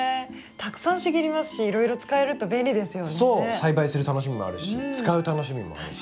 栽培する楽しみもあるし使う楽しみもあるし。